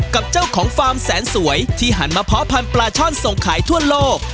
กับเจ้าของฟาร์มแสนสวยที่หันมาเพาะพันธุปลาช่อนส่งขายทั่วโลก